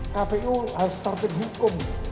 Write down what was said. kpu harus ntar dihukum